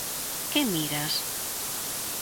¿Que miras?